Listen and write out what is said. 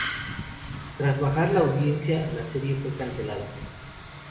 Tras bajar la audiencia, la serie fue cancelada.